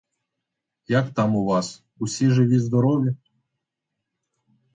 Як там у вас — усі живі-здорові?